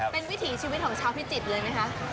เป็นวิถีชีวิตของชาวพิจิตรเลยไหมคะ